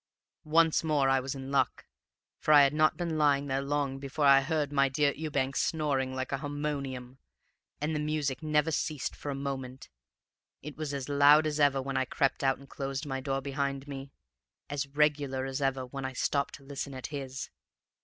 "Once more I was in luck, for I had not been lying there long before I heard my dear Ewbank snoring like a harmonium, and the music never ceased for a moment; it was as loud as ever when I crept out and closed my door behind me, as regular as ever when I stopped to listen at his.